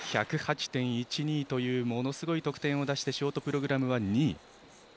１０８．１２というものすごい得点を出してショートプログラムは２位。